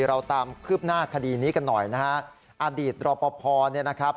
เราตามคืบหน้าคดีนี้กันหน่อยนะฮะอดีตรอปภเนี่ยนะครับ